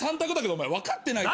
お前分かってないよな？